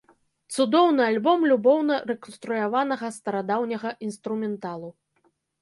Цудоўны альбом любоўна рэканструяванага старадаўняга інструменталу.